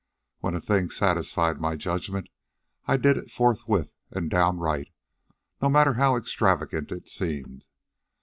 When a thing satisfied my judgment, I did it forthwith and downright, no matter how extravagant it seemed.